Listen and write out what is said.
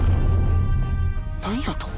何やと？